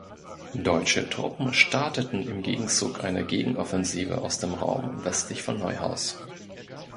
Deutsche Truppen starteten im Gegenzug eine Gegenoffensive aus dem Raum westlich von Neuhaus.